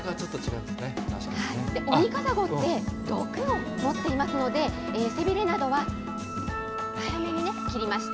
オニカサゴって、毒を持っていますので、背びれなどは早めに切りました。